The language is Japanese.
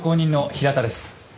平田です。